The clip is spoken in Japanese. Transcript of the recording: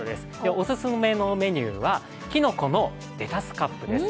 おすすめのメニューはきのこのレタスカップです。